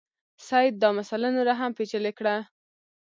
سید دا مسله نوره هم پېچلې کړه.